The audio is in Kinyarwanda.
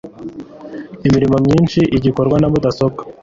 Imirimo myinshi ikorwa na mudasobwa.